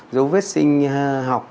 dấu vết sinh học